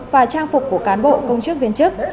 và trang phục của cán bộ công chức viên chức